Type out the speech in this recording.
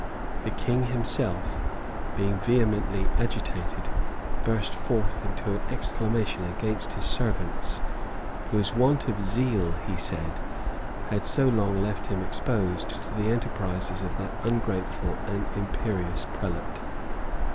The king himself, being vehemently agitated, burst forth into an exclamation against his servants, whose want of zeal, he said, had so long left him exposed to the enterprises of that ungrateful and imperious prelate.